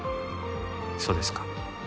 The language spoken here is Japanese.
そうですか。